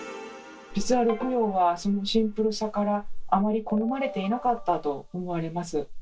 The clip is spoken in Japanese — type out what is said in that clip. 実は六曜はそのシンプルさからあまり好まれていなかったと思われます。